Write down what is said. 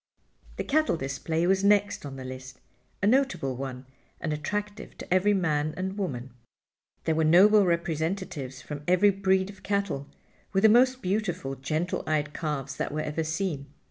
The cattle display was next on the list—a notable one, and attractive to every man and woman. There were noble representatives from every breed of cattle, with the most beautiful, gentle eyed calves that were ever seen.